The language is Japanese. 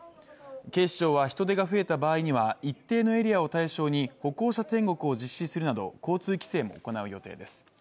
警視庁は人出が増えた場合には一定のエリアを対象に歩行者天国を実施するなど交通規制も行う予定です